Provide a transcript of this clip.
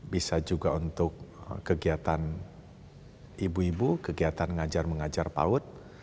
bisa juga untuk kegiatan ibu ibu kegiatan ngajar mengajar paut